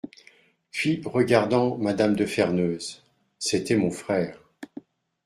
Puis, regardant M^{me} de Ferneuse : —«C’était mon frère.